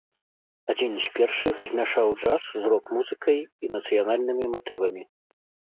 Адзін з першых змяшаў джаз з рок-музыкай і нацыянальнымі матывамі.